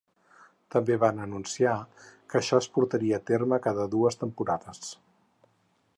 També van anunciar que això es portaria a terme cada dues temporades.